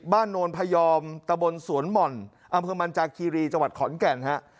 โนนพยอมตะบนสวนหม่อนอำเภอมันจากคีรีจังหวัดขอนแก่นฮะ